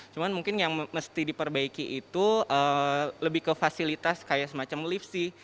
cuma mungkin yang mesti diperbaiki itu lebih ke fasilitas kayak semacam lift sih